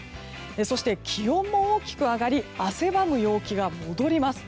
そして気温も大きく上がり汗ばむ陽気が戻ります。